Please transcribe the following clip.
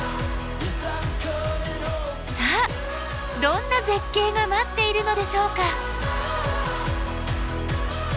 さあどんな絶景が待っているのでしょうか？